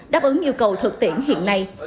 đáp ứng yêu cầu thực tiễn hiện nay